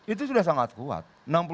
itu sudah sangat kuat